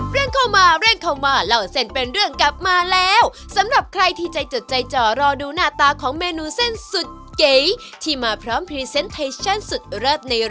โปรดติดตามตอนต่อไป